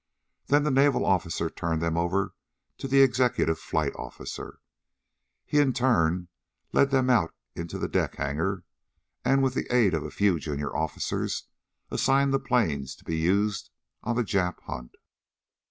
Then the Naval officer turned them over to the executive flight officer. He in turn led them out into the deck hangar, and with the aid of a few junior officers assigned the planes to be used on the Jap hunt.